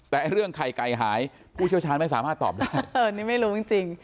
แต่เรื่องไข่ไก่หายผู้เชี่ยวชาญไม่สามารถตอบได้เออนี่ไม่รู้จริงจริง